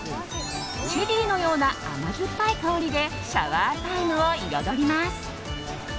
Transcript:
チェリーのような甘酸っぱい香りでシャワータイムを彩ります。